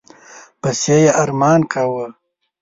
پسي یې ارمان کاوه.